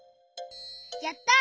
やった！